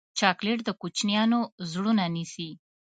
چاکلېټ د کوچنیانو زړونه نیسي.